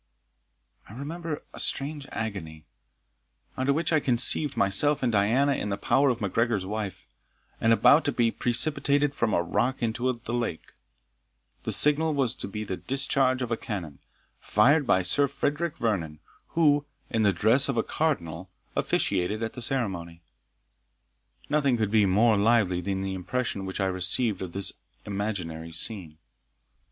I remember a strange agony, under which I conceived myself and Diana in the power of MacGregor's wife, and about to be precipitated from a rock into the lake; the signal was to be the discharge of a cannon, fired by Sir Frederick Vernon, who, in the dress of a Cardinal, officiated at the ceremony. Nothing could be more lively than the impression which I received of this imaginary scene.